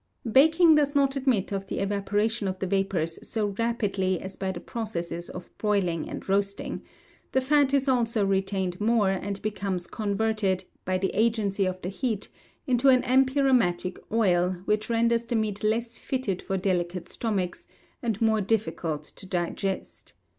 Baking does not admit of the evaporation of the vapours so rapidly as by the processes of broiling and roasting; the fat is also retained more, and becomes converted, by the agency of the heat, into an empyreumatic oil, which renders the meat less fitted for delicate stomachs, and more difficult to digest.